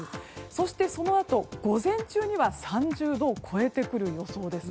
そして、そのあと午前中には３０度を超えてくる予想です。